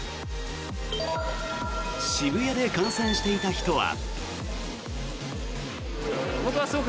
渋谷で観戦していた人は。